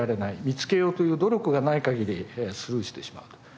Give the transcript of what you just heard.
見つけようという努力がない限りスルーしてしまうと。